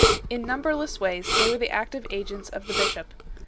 In numberless ways they were the active agents of the bishop.